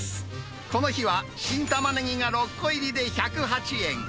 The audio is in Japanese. この日は、新タマネギが６個入りで１０８円。